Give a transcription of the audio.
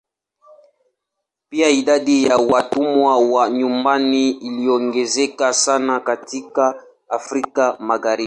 Pia idadi ya watumwa wa nyumbani iliongezeka sana katika Afrika Magharibi.